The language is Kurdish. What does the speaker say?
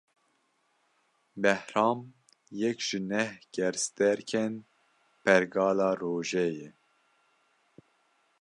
Behram, yek ji neh gerstêrkên Pergala Rojê ye